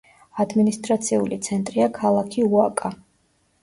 ადმინისტრაციული ცენტრია ქალაქი უაკა.